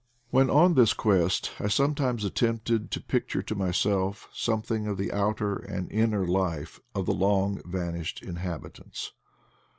When on this quest I sometimes attempted to picture to myself something of the outer and inner life of the long vanished inhabitants.